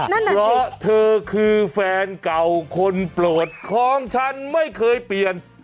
นั่นแหละเพราะเธอคือแฟนเก่าคนโปรดของฉันไม่เคยเปลี่ยน